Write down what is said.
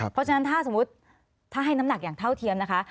เพราะฉะนั้นถ้าสมมุติถ้าให้น้ำหนักอย่างเท่าเทียมนะคะ